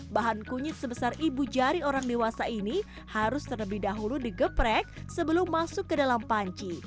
bahan kunyit sebesar ibu jari orang dewasa ini harus terlebih dahulu digeprek sebelum masuk ke dalam panci